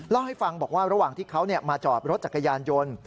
เล่าให้ฟังบอกว่าระหว่างที่เขามาจอดรถจักรยานยนต์